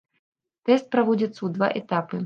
Тэст праводзіцца ў два этапы.